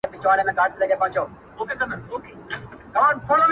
شپې مو په ساحل کې د څپو له وهمه وتښتي٫